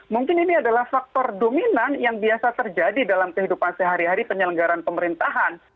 mungkin ini adalah faktor dominan yang biasa terjadi dalam kehidupan sehari hari penyelenggaran pemerintahan